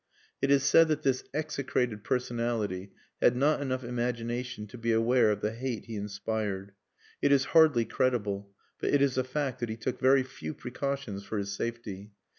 It is said that this execrated personality had not enough imagination to be aware of the hate he inspired. It is hardly credible; but it is a fact that he took very few precautions for his safety.